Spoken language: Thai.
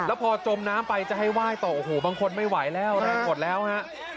แล้วพอจมน้ำไปจะให้ไหว้ต่อโอ้โหบางคนไม่ไหวแล้วแรงหมดแล้วฮะ